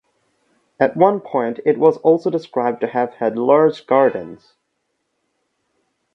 At one point it was also described to have had large gardens.